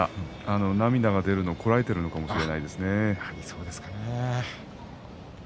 涙が出るのをこらえているのかもしれないですね。